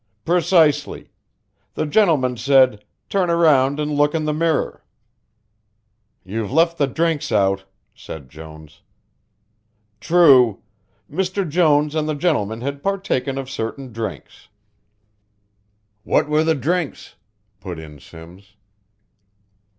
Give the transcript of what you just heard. "Precisely. The gentleman said 'turn round and look in that mirror' " "You've left the drinks out," said Jones. "True. Mr. Jones and the gentleman had partaken of certain drinks." "What were the drinks?" put in Simms.